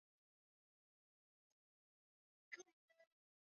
Rais wa zamani wa Angola Dos Santos mahututi hospitali Bercelona